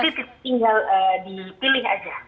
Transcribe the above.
nanti tinggal dipilih aja